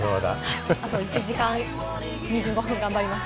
あと１時間２５分、頑張ります。